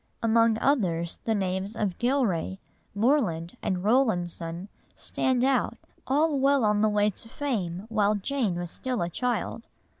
Among others the names of Gillray, Morland, Rowlandson stand out, all well on the way to fame while Jane was still a child.